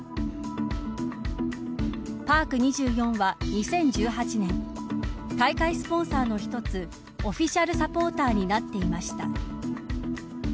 パーク２４は、２０１８年大会スポンサーの一つオフィシャルサポーターになっていました。